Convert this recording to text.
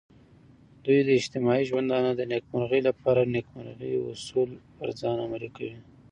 دوی د اجتماعي ژوندانه د نیکمرغۍ لپاره نیکمرغه اصول پر ځان عملي کوي.